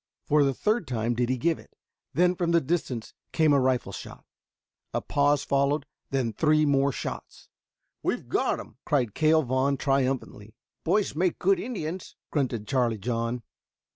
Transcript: For the third time did he give it, then from the distance came a rifle shot. A pause followed, then three more shots. "We've got 'em!" cried Cale Vaughn triumphantly. "Boys make good Indians," grunted Charlie John.